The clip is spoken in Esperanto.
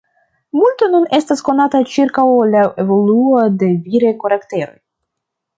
Multo nun estas konata ĉirkaŭ la evoluo de viraj karakteroj.